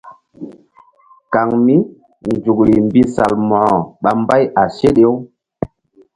Kaŋ mí nzukri mbi Salmo̧ko ɓa mbay a seɗe-u.